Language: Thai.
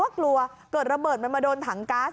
กลัวเกิดระเบิดมันมาโดนถังก๊าซ